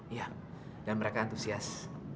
iya dan mereka antusias